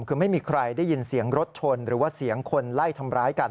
คือไม่มีใครได้ยินเสียงรถชนหรือว่าเสียงคนไล่ทำร้ายกัน